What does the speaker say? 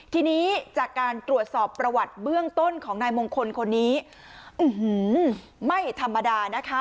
ทีนี้จากการตรวจสอบประวัติเบื้องต้นของนายมงคลคนนี้ไม่ธรรมดานะคะ